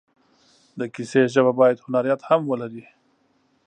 د کیسې ژبه باید هنریت هم ولري.